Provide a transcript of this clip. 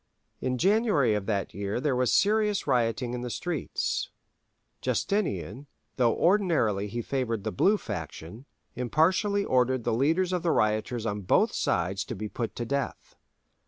In January of that year there was serious rioting in the streets. Justinian, though ordinarily he favoured the Blue faction, impartially ordered the leaders of the rioters on both sides to be put to death.